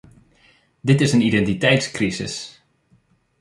Dit is een identiteitscrisis.